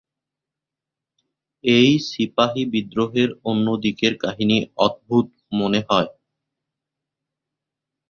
এই সিপাহী বিদ্রোহের অন্য দিকের কাহিনী অদ্ভুত মনে হয়।